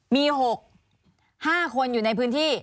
มี๖๕คนอยู่ในพื้นที่